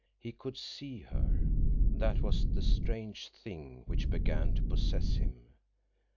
He could see her. That was the strange thing which began to possess him.